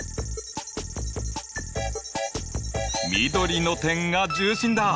緑の点が重心だ。